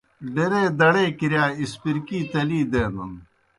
ڈیرے دَڑے کِرِیا اِسپِرکی تلی دینَن۔